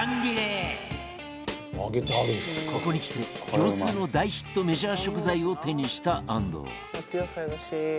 ここにきて業スーの大ヒットメジャー食材を手にした安藤